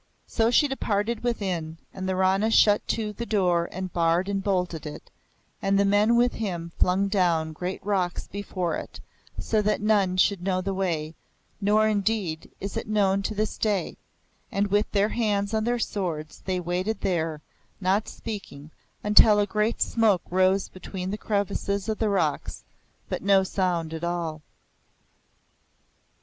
So she departed within, and the Rana shut to the door and barred and bolted it, and the men with him flung down great rocks before it so that none should know the way, nor indeed is it known to this day; and with their hands on their swords they waited there, not speaking, until a great smoke rose between the crevices of the rocks, but no sound at all.